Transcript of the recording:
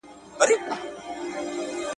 ښاروالۍ سره بايد د ښار په پاکۍ کي مرسته وسي.